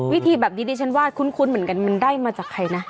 วิธีแบบนี้ดิฉันว่าคุ้นเหมือนกันมันได้มาจากใครนะ